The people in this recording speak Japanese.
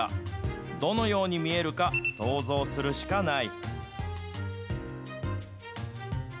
どのように見えるか、想像するしかない。